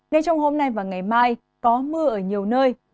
nên trong hôm nay và ngày mai có mưa ở nhiều nơi